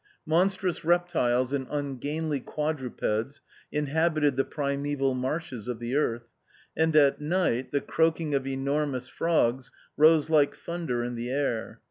36 THE OUTCAST. Monstrous reptiles and ungainly quadru peds inhabited the primeval marshes of the earth ; and at night the croaking of enor mous frogs rose like thunder in the air.